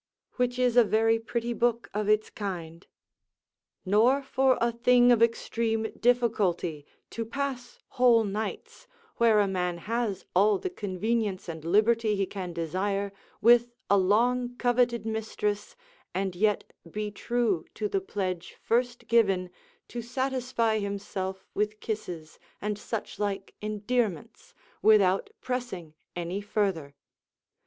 ] (which is a very pretty book of its kind), nor for a thing of extreme difficulty, to pass whole nights, where a man has all the convenience and liberty he can desire, with a long coveted mistress, and yet be true to the pledge first given to satisfy himself with kisses and suchlike endearments, without pressing any further.